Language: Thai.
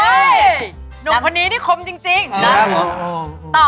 โอ๊ยหนูคนนี้นี่คมจริงนะอ๋ออ๋ออ๋อ